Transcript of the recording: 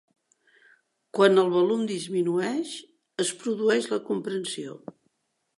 Quan el volum disminueix es produeix la compressió.